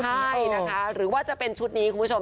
ใช่นะคะหรือว่าจะเป็นชุดนี้คุณผู้ชม